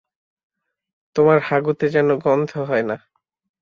তোমার হাগুতে যেন গন্ধ হয় না।